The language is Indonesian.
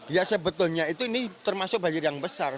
ya sebetulnya itu ini termasuk banjir yang besar